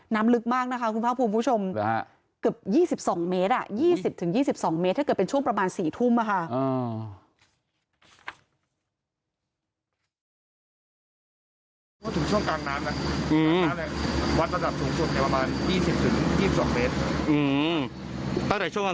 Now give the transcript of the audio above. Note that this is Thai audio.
น้ำลึกมากนะคะคุณภาพภูมิผู้ชม